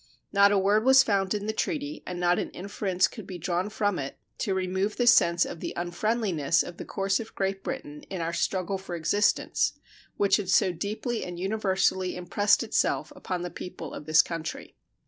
Not a word was found in the treaty, and not an inference could be drawn from it, to remove the sense of the unfriendliness of the course of Great Britain in our struggle for existence, which had so deeply and universally impressed itself upon the people of this country.